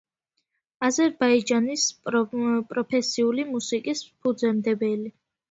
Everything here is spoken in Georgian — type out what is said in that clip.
აზერბაიჯანის პროფესიული მუსიკის ფუძემდებელი.